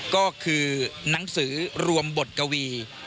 ก็คือหนังสือรวมบทกวี